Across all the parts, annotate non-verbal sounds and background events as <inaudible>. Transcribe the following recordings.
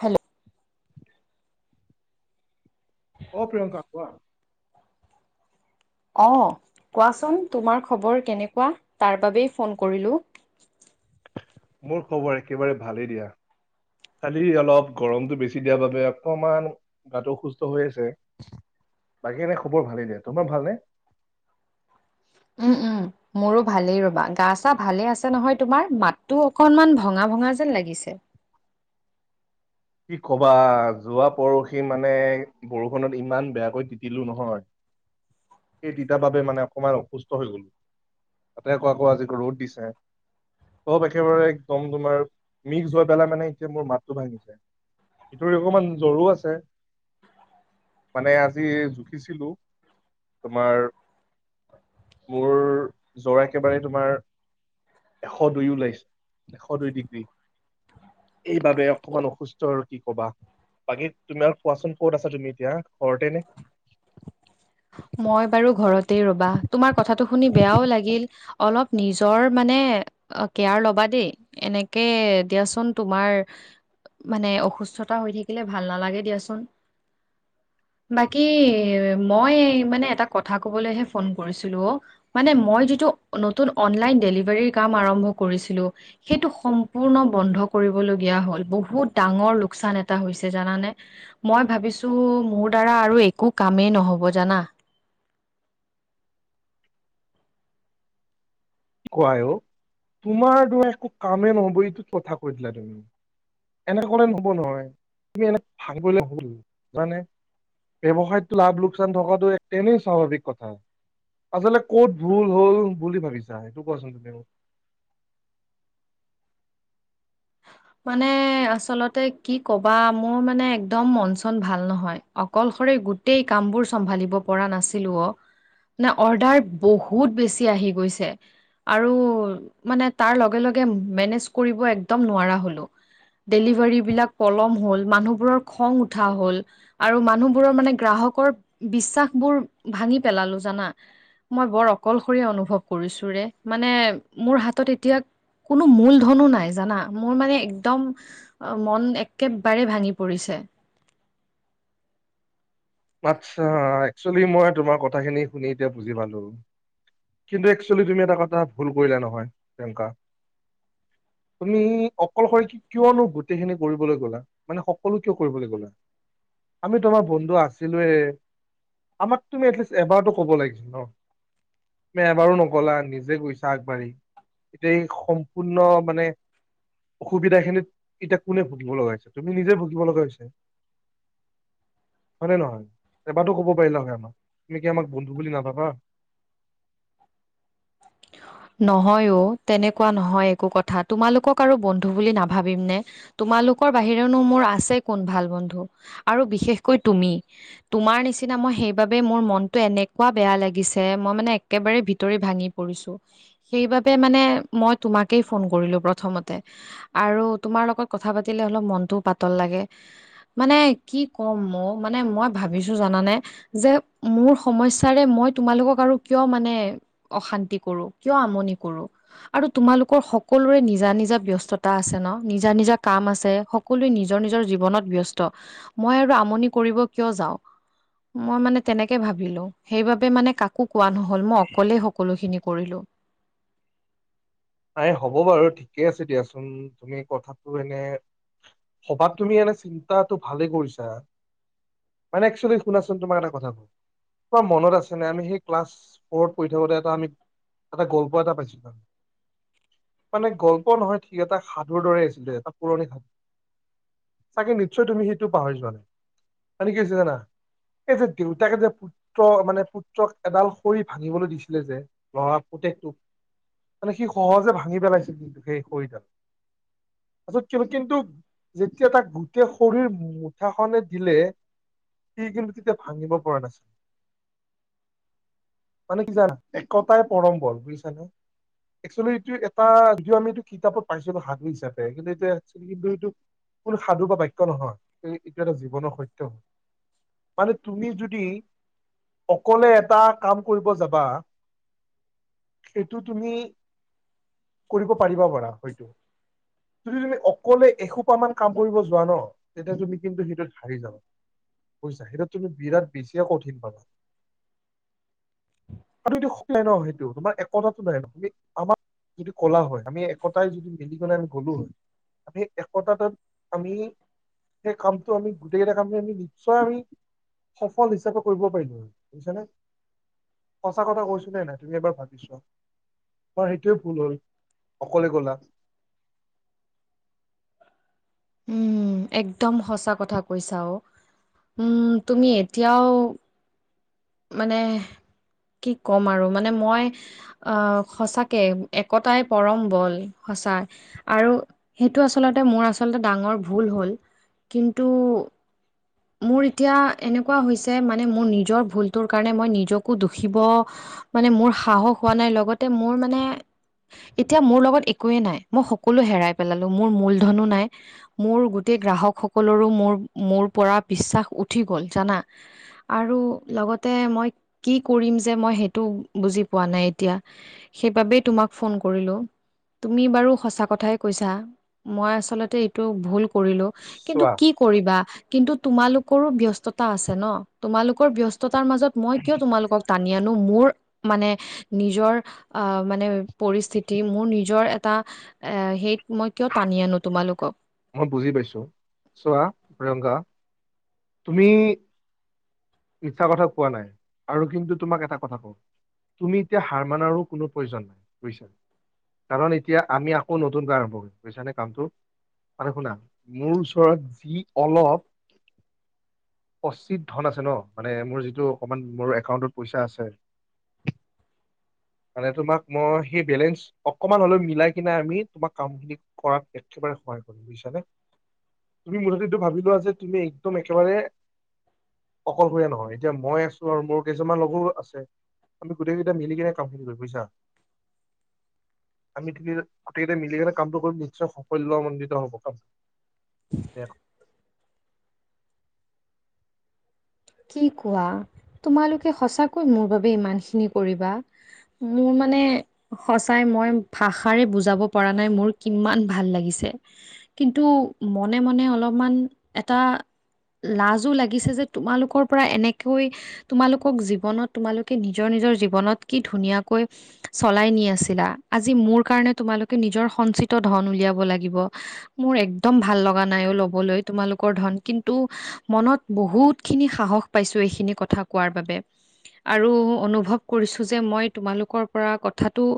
Hello অউ প্ৰিয়ংকা কোৱা? অঁ কোৱাচোন তোমাৰ খবৰ কেনেকুৱা? তাৰ বাবেই ফন কৰিলোঁ? মোৰ খবৰ একেবাৰে ভালেই দিয়া। খালি অলপ গৰমতটো বেছি দিয়াৰ বাবে অকমান গাটো অসুস্থ হৈ আছে। বাকী এনে খবৰ ভালেই দিয়া, তোমাৰ ভালনে? উম' উম'। মোৰো ভালেই ৰবা! গা চা ভালেই আছে নহয় তোমাৰ, মাতটো অকনমান ভঙা ভঙা যেন লাগিছে। কি কবা যোৱা পৰহি মানে বৰষুণত ইমান বেয়াকৈ তিতিলো নহয় সেই তিতা বাবে মানে অকমান অসুস্থ হৈ গ'লো। তাতে আকৌ আকৌ আজি ৰ'দ দিছে। চব একেবাৰে একদম তোমাৰ মিক্স হৈ পেলাই মানে এতিয়া মোৰ মাতটো ভাঙি যায়। ভিতৰি অকমান জ্বৰো আছে। মানে আজি জুখিছিলো তোমাৰ মোৰ জৰ একেবাৰে তোমাৰ এশ দুই ওলাইছে, এশ দুই ডিগ্ৰী এইবাবে অকমান অসুস স্থ্যৰ আৰু কি ক'বা বাকী তোমাৰ কোৱাচোন ক'ত আছ তুমি এতিয়া ঘৰতে নে? মই বাৰু ঘৰতেই ৰবা! তোমাৰ কথাটো শুনি বেয়াও লাগিল অলপ নিজৰ মানে অ কেয়াৰ লবা দেই, এনেকে দিয়াচোন তোমাৰ মানে অসুস্থতা হৈ থাকিলে ভাল নালাগে দিয়াচোন। বাকী মই মানে এটা কথা কবলৈহে ফোন কৰিছিলো অ। মানে মই যিটো নতুন অনলাইন ডেলিভাৰীৰ কাম আৰম্ভ কৰিছিলো সেইটো সম্পূৰ্ণ বন্ধ কৰিবলগীয়া হ'ল, বহুত ডাঙৰ লোকচান এটা হৈছে জানানে? মই ভাবিছো মোৰ দ্বাৰা আৰু একো কামেই নহব জানা? কুৱাই অ তোমাৰ দোৰা একো কামে নহব এইটো কথা কৈ দিলা তুমি? এনেকে কলে নহব নহয়, তুমি এনে ভাঙ পৰিলে হল মানে ব্যৱসায়টো লাভ - লোকচান থকাটো এক তেনেই স্বাভাৱিক কথা। আচলতে কত ভুল হল বুলি ভাবিছা সেইটো কোৱাচোন তুমি মোক? মানে আচলতে কি কবা মোৰ মানে একদম মন চন ভাল নহয়? অকলশৰে গোটেই কামবোৰ চম্ভালিব পৰা নাছিলো অ। নে অৰ্ডাৰ বহুত বেছি আহি গৈছে। আৰু মানে তাৰ লগে লগে মেনেজ কৰিব একদম নোৱাৰা হ'ল। হলোঁ, ডেলিভাৰীবিলাক পলম হল, মানুহবোৰৰ খং উঠা হল। আৰু মানুহবোৰৰ মানে গ্ৰাহকৰ বিশ্বাস বোৰ ভাঙি পেলালো জানা? মই বৰ অকলশৰীয়া অনুভৱ কৰিছো ৰে? মানে মোৰ হাতত এতিয়া কোনো মূল ধনো নাই জানা? মোৰ মানে একদম অ মন একেবাৰে ভাঙি পৰিছে। আচ্ছা, একচলি মই তোমাৰ কথাখিনি শুনি এতিয়া বুজি পালো। কিন্তু একচুৱেলি তুমি এটা কথা ভুল কৰিলা নহয় তেনকা? তুমি অকলশৰ কি কিয়নো গোটেইখিনি কৰিবলৈ গ'লা? মানে সকলো কিয় কৰিবলৈ গ'লা? আমি তোমাৰ বন্ধু আছ ছিলোৱে, আমাক তুমি এটলিষ্ট এবাৰতো ক'ব লাগিছিল ন? নে এবাৰো নকলা নিজে গৈছা আগবাঢ়ি। এতিয়া এই সম্পূৰ্ণ মানে অসুবিধাখিনিত এতিয়া কোনে ভুগিব লগা হৈছে তুমি নিজে ভুগিব লগা হৈছে? হয়নে নহয়? এবাৰো কব পাৰিলা হয় আমাক তুমি কি আমাক বন্ধু বুলি নাভাবা। নহয় অ তেনেকুৱা নহয় একো কথা। তোমালোকক আৰু বন্ধু বুলি নাভাবিম নে? তোমালোকৰ বাহিৰেনো মোৰ আছে কোন ভাল বন্ধু আৰু বিশেষকৈ তুমি। তোমাৰ নিচিনা মই সেইবাবে মোৰ মনটো এনেকুৱা বেয়া লাগিছে। মই মানে একেবাৰে ভিতৰি ভাঙি পৰিছো। সেইবাবে মানে মই তোমাকেই ফন কৰিলো প্ৰথমতে। আৰু তোমাৰ লগত কথা পাতিলে অলপ মনটোও পাতল লাগে। মানে কি কম মোৰ মানে মই ভাবিছো জানানে যে মোৰ সমস্যাৰে মই তোমালোকক আৰু কিয় মানে অশান্তি কৰো। কিয় আমনি কৰো। আৰু তোমালোকৰ সকলোৰে নিজা নিজা ব্যস্ততা আছে ন? নিজা নিজা কাম আছে। সক সকলোৱে নিজৰ নিজৰ জীৱনত ব্যস্ত। মই আৰু আমনি কৰিব কিয় যাওঁ। মই মানে তেনেকে ভাবিলো, সেইবাবে মানে কাকো কোৱা নহ'ল। মই অকলেই সকলোখিনি কৰিলো। এ হ'ব বাৰু ঠিকে আছে দিয়াচোন। তুমি কথাটো এনে ভবাত তুমি এনে চিন্তাটো ভালে কৰিছা। মানে একচলি শুনাচোন তোমাক এটা কথা কও। তোমাৰ মনত আছে নে? আমি হেই ক্লাছ ফ'ৰত পঢ়ি থাকোতে এটা আমি এটা গল্প এটা পাইছিলো। মানে গল্প নহয় ঠিক এটা সাধুৰ দৰে আছিলে এটা পুৰণি সাধু। চাগে নিশ্চয় তুমি সেইটো পাহৰি যোৱা নাই। মানে কি হৈছে জানা? এই যে দেউতাকে যে পুত্ৰ মানে পুত্ৰক এডাল সৰি ভাঙিবলৈ দিছিলে যে ল'ৰা পুতেকটোক। মানে সি সহজে ভাঙি পেলাইছিল কিন্তু সেই খৰিডাল। তাৰছত কিন কিন্তু যেতিয়া তাক গোটেই খৰিৰ মুঠাখনে দিলে সি কিন্তু তেতিয়া ভাঙিব পৰা নাছিল। মানে কি জানা একতাই পৰম বল, বুইছা নে? একচুৱেলি এইটো এটা যিটো আমি এইটো কিতাপত পাইছিলো সাধু হিচাপে। কিন্তু এইটো <unintelligible> এইটো কোনো সাধু বা বাক্য নহয়। স এইটো এটা জীৱনৰ সত্য। মানে তুমি যদি অকলে এটা কাম কৰিব যাবা, এইটোত তুমি কৰিব পাৰিবা পাৰা হয়তো। যদি তুমি অকলে এসোপামান কাম কৰিব যোৱা ন তেতিয়া তুমি কিন্তু সেইটোত হাৰি যাবা। বুইছা? সেইটো তুমি বিৰাট বেছিয়ে কঠিন পাবা। আৰু এইটো <unintelligible> সেইটো তোমাৰ একতত <unintelligible> আমাক যিটো ক'লা হয়, আমি একতাই যদি মেলি কেনে আমি গ'লো হয় আমি একতাটোত আমি সেই কামটো আমি গোটেইকেইটা কামটো আমি নিশ্চয় আমি সফল হিচাপে কৰিব পাৰিলো হয়, বুজিছানে? সঁচা কথা কৈছো নে নাই তুমি এবাৰ ভাৱি চোৱা। হয় সেইটোৱে ভুল হ'ল অকলে গ'লা। উম, একদম সঁচা কথা কৈছা অ। উম, তুমি এতিয়াও মানে কি ক'ম আৰু মানে মই অ সঁচাকে একতাই পৰম বল সঁচা। আৰু সেইটো আচলতে মোৰ আচলতে ডাঙৰ ভুল হ'ল, কিন্তু মোৰ এতিয়া এনেকুৱা হৈছে মানে মোৰ নিজৰ ভুল টোৰ কাৰণে মই নিজকো দুখিব মানে মোৰ সাহস হোৱা নাই, লগতে মোৰ মানে এতিয়া মোৰ লগত একোৱেই নাই। মই সকলো হেৰাই পেলালো। মোৰ মূলধনো নাই মোৰ গোটেই গ্ৰাহক সকলৰো মোৰ মোৰ পৰা বিশ্বাস উঠি গ'ল জানা। আৰু লগতে মই কি কৰিম যে মই সেইটো বুজি পোৱা নাই এতিয়া। সেইবাবেই তোমাক ফোন কৰিলো। তুমি বাৰু সঁচা কথাই কৈছা। মই আচলতে এইটো ভুল কৰিলো, কিন্তু চোৱা কি কৰিবা কিন্তু তোমালোকৰো ব্যস্ততা আছে ন? তোমালোকৰ ব্যস ততাৰ মাজত মই কিয় তোমালোকক টানি আনো মোৰ মানে নিজৰ আহ মানে পৰিস্থিতি মোৰ নিজৰ এটা এ সেই মই কিয় টানি আনো তোমালোকক। মই বুজি পাইছো চোৱা প্ৰিয়ংকা তুমি ইচ্ছা কথা কোৱা নাই আৰু কিন্তু তোমাক এটা কথা কওঁ তুমি এতিয়া হাৰ মানাৰো কোনো প্ৰয়োজন নাই বুইছা। কাৰণ এতিয়া আমি আকৌ নতুনকৈ আৰম্ভ কৰিম বুইছা নে কামটো? মানে শুনা, মোৰ ওচৰত যি অলপ সচিত ধন আছে ন মানে মোৰ যিটো অকমান মোৰ একাউন্টত পইচা আছে সে <inaudible> মানে তোমাক মই সেই বেলেঞ্চ অকমান হলেও মিলাই কিনে আমি তোমাৰ কামখিনি কৰাত একেবাৰে সহায় কৰিম বুজিছানে? তুমি মুঠতে এইটো ভাবি লোৱা যে তুমি একদম একেবাৰে অকলশীয়া নহয় এতিয়া মই আছো আৰু মোৰ কেইজনমান লগৰো আছে। আমি গোটেই কেইটা মিলিকেনে কামটো কৰিম বুজিছা? আমি তিনি গোটেইকেইটা মিলি কেনে কামটো কৰিম নিশ্চয় সাফল্যমন্দিত হব কাম। দে কি কোৱা? তোমালোকে সঁচাকৈ মোৰ বাবে ইমানখিনি কৰিবা? মোৰ মানে সঁচাই মই ভাষাৰে বুজাব পৰা নাই মোৰ কিমান ভাল লাগিছে। কিন্তু মনে- মনে অলপমান এটা লাজো লাগিছে যে তোমালোকৰ পৰা এনেকৈ তোমালোকক জীৱনত তোমালোকে নিজৰ নিজৰ জীৱনত কি ধুনীয়াকৈ চলাই নি আছিলা আজি মোৰ কাৰণে তোমালোকে নিজৰ সঞ্চিত ধন উলিয়াব লাগিব। মোৰ একদম ভাল লগা নাই অহ ল'বলৈ তোমালোকৰ ধন কিন্তু মনত বহুত খিনি সাহস পাইছোঁ এইখিনি কথা কোৱাৰ বাবে। আৰু অনুভৱ কৰিছোঁ যে মই তোমালোকৰ পৰা কথাটো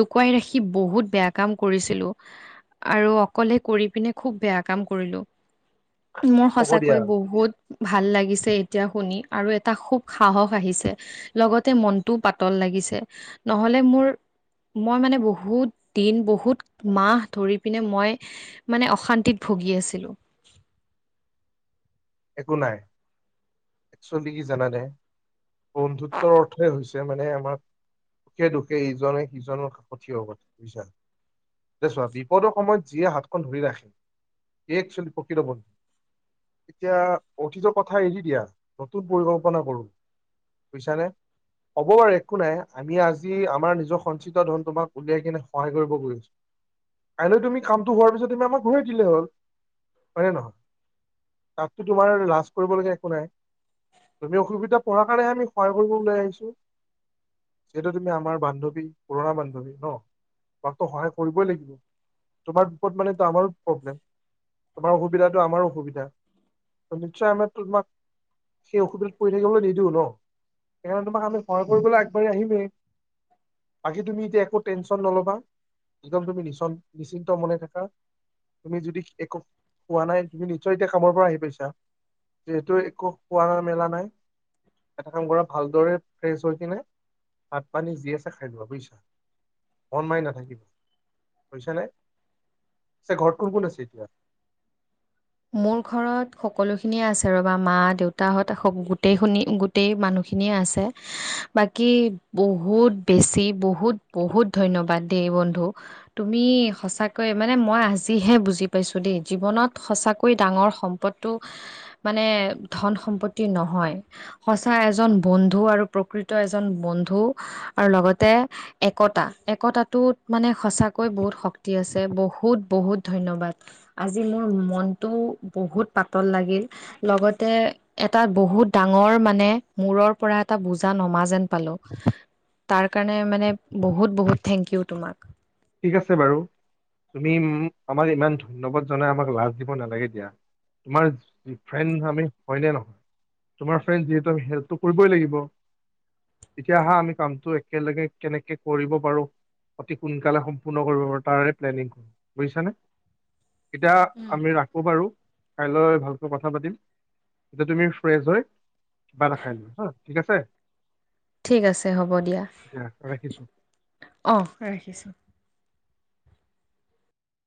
লুকুৱাই ৰাখি বহুত বেয়া কাম কৰিছিলোঁ। আৰু অকলে কৰি পিনে খুব বেয়া কাম কৰিলোঁ। মোৰ হ'ব দিয়া সঁচাকৈ বহুত ভাল লাগিছ এতিয়া শুনি আৰু এটা খুব সাহস আহিছে লগতে মনটো পাতল লাগিছে। নহ'লে মোৰ মই মানে বহুত দিন, বহুত মাহ ধৰি পিনে মই মানে অশান্তিত ভুগি আছিলোঁ। একো নাই, একচুৱেলি কি জানানে বন্ধুত্বৰ অৰ্থই হৈ ছে মানে আমাক সুখে- দুখে ইজনে সিজনৰ সাৰথি হব পাৰে বুজিছা? এ চোৱা বিপদৰ সময়ত যিয়ে হাতখন ধৰি ৰাখে ই একচুৱেলী প্ৰকৃত বন্ধু। এতিয়া অতীতৰ কথা এৰি দিয়া নতুন পৰিকল্পনা কৰোঁ বুইছানে? হব আৰু একো নাই। আমি আজি আমাৰ নিজৰ সঞ্চিত ধন তোমাক উলিয়াই কিনে সহায় কৰিব গৈ আছোঁ। কাইলৈ তুমি কামটো হোৱাৰ পিছত তুমি আমাক ঘূৰাই দিলে হ'ল হয় নে নহয়? তাততো তোমাৰ লাজ কৰিবলগীয়া একো নাই। তুমি অসুবিধা পৰা কাৰণে আমি সহায় কৰিব ওলাই আহিছোঁ। যিহেতু তুমি আমাৰ বান্ধৱী পুৰণা বান্ধৱী ন, তোমাকতো সহায় কৰিবই লাগিব। তোমাৰ বিপদ মানেটো আমাৰো প্ৰব্লেম তোমাৰ অসুবিধাটো আমাৰো অসুবিধা। নিশ্চয় আমি তোমাক সেই অসুবিধাত পৰি থাকিবলৈ নিদিওঁ ন, সেইকাৰণে তোমাক আমি সহায় কৰিবলৈ আগবাঢ়ি আহিমেই। বাকী তুমি এতিয়া একো টেনচন নল'বা। একদম তুমি নিচন - নিশ্চিন্ত মনে থাকা। তুমি যদি একো খোৱা নাই, তুমি নিশ্চয় এতিয়া কামৰ পৰা আহি পাইছা, যিহেতু একো খোৱা মেলা নাই এটা কাম কৰা ভালদৰে ফ্ৰেছ হৈ কিনে ভাত পানী যি আছে খাই লোৱা বুইছা? ফোন মাৰি নাথাকিবি বুজিছ নে? পিছে ঘৰত কোন কোন আছে এতিয়া? মোৰ ঘৰত সকলোখিনিয়ে আছে ৰবা মা, দেউতাহঁত, গোটেইখিনি গো গোটেই মানুহখিনিয়ে আছে, বাকী বহুত বেছি বহুত বহুত ধন্যবাদ দেই বন্ধু। তুমি সঁচাকৈ মানে মই আজিহে বুজি পাইছোঁ দেই জীৱনত সঁচা কৈ ডাঙৰ সম্পদটো মানে ধন -সম্পত্তি নহয়। সঁচা এজন বন্ধু আৰু প্ৰকৃত এজন বন্ধু আৰু লগতে একতা। একতাটোত মানে সঁচাকৈ বহুত শক্তি আছে বহুত- বহুত ধন্যবাদ। আজি মোৰ মনটো বহুত পাতল লাগিল। লগতে এটা বহুত ডাঙৰ মানে মূৰৰ পৰা এটা বুজা নমা যেন পালোঁ, তাৰ কাৰণে মানে বহুত বহুত থেংক ইউ তোমাক। ঠিক আছে বাৰু। তুমি উম, আমাক ইমান ধন্যবাদ জনাই আমাক লাজ দিব নালাগে দিয়া। তোমাৰ ফ্ৰেণ্ড আমি হয়নে নহয়? তোমাৰ ফ্ৰেড যিহেতু আমি হেল্পটো কৰিবই লাগিব। তেতিয়া আহা আমি কামটো একেলগে কেনেকে কৰিব পাৰোঁ। অতি সোন কালে সম্পূৰ্ণ কৰিব পাৰোঁ, তাৰে প্লেনিং <inaudible> বুজিছানে? এতিয়া আমি ৰাখো বাৰু। কাইলৈ ভালকৈ কথা পাতিম, এতিয়া তুমি ফ্ৰেছ হয় কিবা এটা খাই লোৱা হা? ঠিক আছে? ঠিক আছে হ'ব দিয়া। অ', ৰাখিছোঁ।